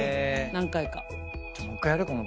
何回か。